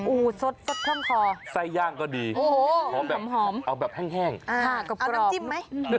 โอ้โฮซดข้างคอไส้ย่างก็ดีหอมเอาแบบแห้งเอาน้ำจิ้มไหม